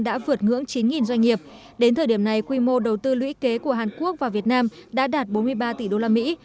đã vượt ngưỡng chín doanh nghiệp đến thời điểm này quy mô đầu tư lũy kế của hàn quốc và việt nam đã đạt bốn mươi ba tỷ đô la mỹ